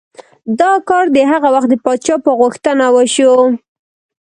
دا کار د هغه وخت د پادشاه په غوښتنه وشو.